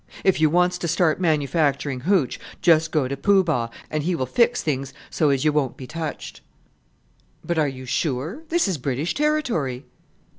If you wants to start manufacturing hootch, just go to Poo Bah, and he will fix things so as you won't be touched." "But are you sure? This is British territory."